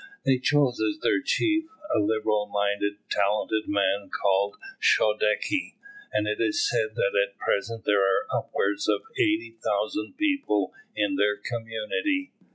They chose as their chief a liberal minded, talented man, called Shodeke; and it is said that at present there are upwards of 80,000 people in their community.